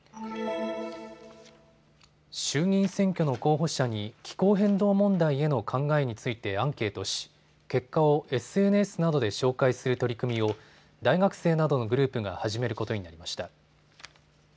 衆議院選挙の候補者に気候変動問題への考えについてアンケートし結果をＳＮＳなどで紹介する取り組みを大学生などのグループが始めることになりました。